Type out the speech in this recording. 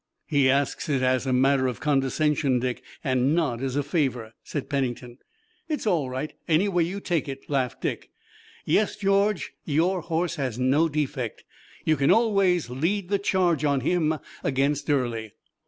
"He asks it as a matter of condescension, Dick, and not as a favor," said Pennington. "It's all right any way you take it," laughed Dick. "Yes, George, your horse has no defect. You can always lead the charge on him against Early."